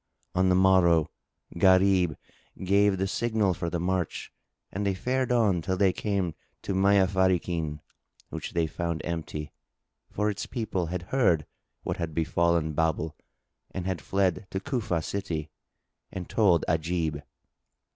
On the morrow, Gharib gave the signal for the march and they fared on till they came to Mayyáfárikín,[FN#1] which they found empty, for its people had heard what had befallen Babel and had fled to Cufa city and told Ajib.